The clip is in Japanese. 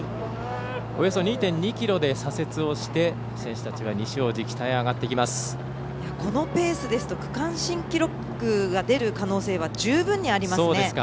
およそ２．２ｋｍで左折して選手たちは西大路このペースですと区間新記録が出る可能性は十分にありますね。